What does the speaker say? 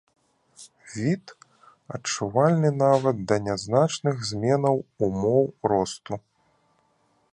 Від, адчувальны нават да нязначных зменаў умоў росту.